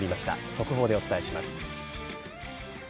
速報でお伝えします。